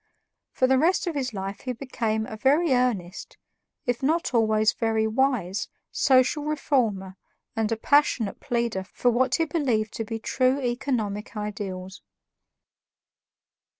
For the rest of his life he became a very earnest, if not always very wise, social reformer and a passionate pleader for what he believed to be true economic ideals.